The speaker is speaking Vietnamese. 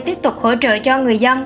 tiếp tục hỗ trợ cho người dân